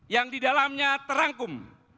yang di dalamnya terangkum